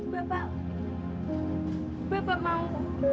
bapak bapak mau